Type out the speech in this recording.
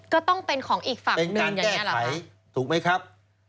ก็ต้องเป็นของอีกฝั่งหนึ่งอย่างนี้หรือเปล่าเป็นการแก้ไขถูกไหมครับ